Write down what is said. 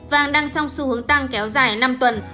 vàng đang song xu hướng tăng kéo dài năm tuần